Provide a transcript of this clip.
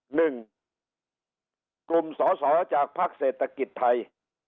หนึ่งกลุ่มสอสอจากภักดิ์เศรษฐกิจไทย